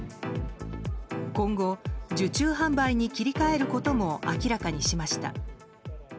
今後、受注販売に切り替えることも明らかにしました。